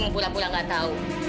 pura pura nggak tahu